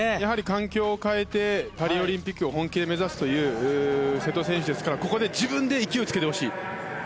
環境を変えてパリオリンピックを本気で目指すという瀬戸選手ですからここで自分で勢いをつけてほしい。